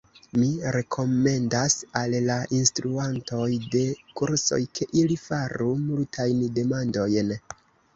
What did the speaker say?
Mi rekomendas al la instruantoj de kursoj, ke, ili faru multajn demandojn.